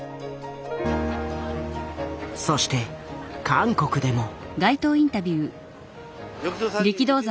そして韓国でも。